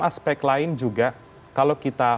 aspek lain juga kalau kita